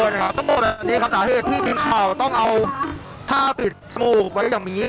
สมมุติว่านี่ครับสาเหตุที่พิมพ์ข่าวต้องเอาผ้าปิดไว้อย่างนี้